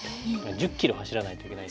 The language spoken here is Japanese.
１０キロ走らないといけない。